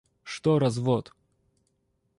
Что развод?